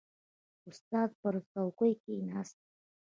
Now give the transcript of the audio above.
• استاد پر څوکۍ کښېناست.